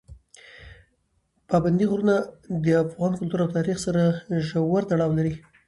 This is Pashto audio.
پابندي غرونه د افغان کلتور او تاریخ سره ژور تړاو لري.